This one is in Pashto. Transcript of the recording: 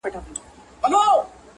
ايوب سهيل مروت